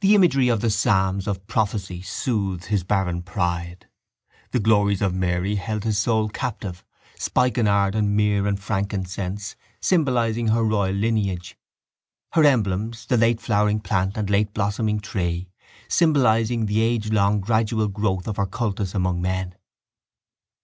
The imagery of the psalms of prophecy soothed his barren pride. The glories of Mary held his soul captive: spikenard and myrrh and frankincense, symbolising her royal lineage, her emblems, the late flowering plant and late blossoming tree, symbolising the agelong gradual growth of her cultus among men.